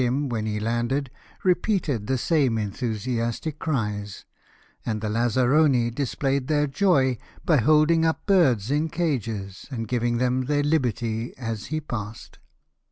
him when he landed repeated the same enthusiastic cries ; and the lazzaroni displayed their joy by hold ing up birds in cages, and giving them their liberty as he passed.